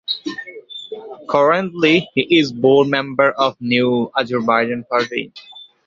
Currently he is board member of New Azerbaijan Party.